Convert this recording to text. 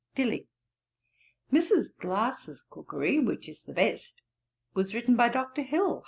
DILLY. 'Mrs. Glasse's Cookery, which is the best, was written by Dr. Hill.